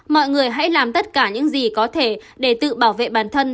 mọi người hãy làm tất cả những gì có thể để tự bảo vệ bản thân